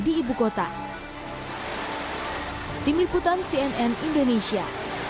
di tim liputan cnn indonesia